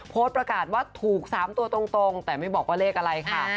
โพสต์ประกาศว่าถูก๓ตัวตรงแต่ไม่บอกว่าเลขอะไรค่ะ